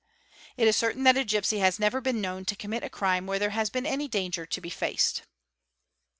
It is certain that a gipsy has never been known to commit a crime where there has been any danger to be faced.